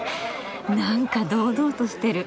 なんか堂々としてる。